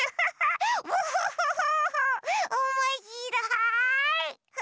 おもしろい！